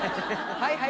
はいはい？